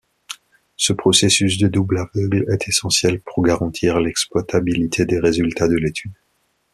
Ce processus de double-aveugle est essentiel pour garantir l’exploitabilité des résultats de l’étude.